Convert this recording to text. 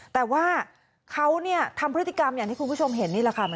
แต่ว่าเขาทำพฤติกรรมอย่างที่คุณผู้ชมเห็นนี่แหละค่ะ